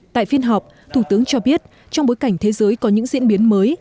tại phiên họp thủ tướng cho biết trong bối cảnh thế giới có những diễn biến mới